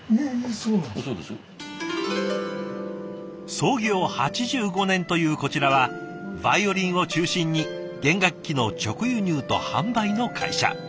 創業８５年というこちらはヴァイオリンを中心に弦楽器の直輸入と販売の会社。